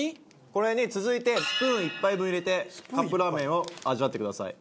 これに続いてスプーン１杯分入れてカップラーメンを味わってください。